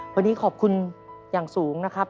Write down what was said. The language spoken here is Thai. พอดีขอบคุณอย่างสูงนะครับ